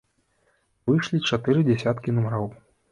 Выйшлі чатыры дзясяткі нумароў.